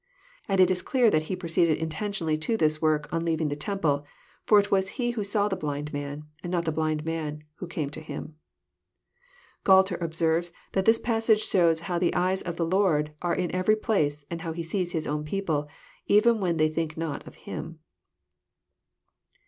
And it is clear that He pro ceeded intentioniQly to this work on leaving tlie temple, for it was He who saw the blind man, and not the blind man who came to Him." Gnalter observes, that this passage shows how the eyes of the Lord are in every place, and how He sees His own people, even when they think not of Him.